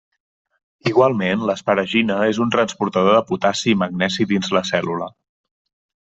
Igualment, l’asparagina és un transportador de potassi i magnesi dins la cèl·lula.